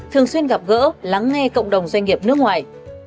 thường xuyên gặp gỡ lắng nghe cộng đồng doanh nghiệp nước ngoài